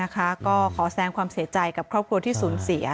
ก็ขอแสงความเสียใจกับครอบครัวที่สูญเสีย